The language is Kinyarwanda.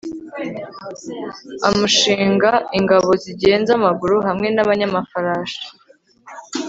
amushinga ingabo zigenza amaguru hamwe n'abanyamafarasi